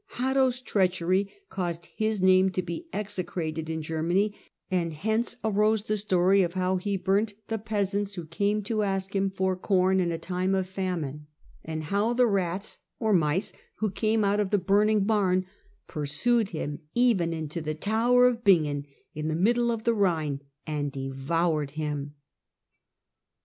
Hatto's treachery caused his name to be execrated in Germany, and hence arose the story of how he burnt the peasants who came to ask him for corn in a time of famine, and 220 THE DAWN OF MEDIEVAL EUROPE how the rats (or mice) who came out of the burning barn pursued him even into the tower of Bingen in the middle of the Rhine and devoured him.